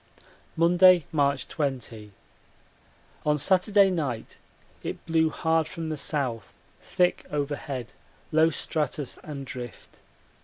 Monday, March 20. On Saturday night it blew hard from the south, thick overhead, low stratus and drift.